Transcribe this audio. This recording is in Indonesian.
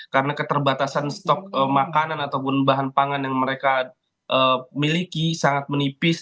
karena keterbatasan stok makanan ataupun bahan pangan yang mereka miliki sangat menipis